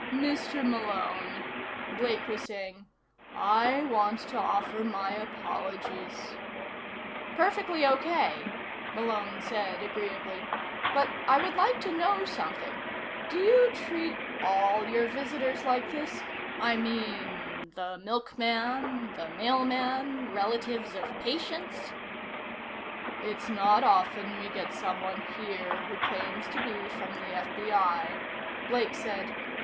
"Mr. Malone," Blake was saying, "I want to offer my apologies " "Perfectly okay," Malone said agreeably. "But I would like to know something. Do you treat all your visitors like this? I mean the milkman, the mailman, relatives of patients " "It's not often we get someone here who claims to be from the FBI," Blake said.